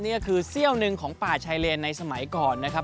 นี่คือเสี้ยวหนึ่งของป่าชายเลนในสมัยก่อนนะครับ